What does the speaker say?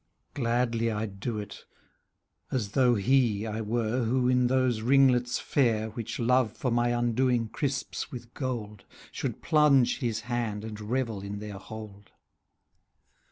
Gladly I'd do it, as though he I were Who, in those ringlets fair. Which Love for my undoing crisps with gold, .."" Should plunge his hand, and revel in their hold.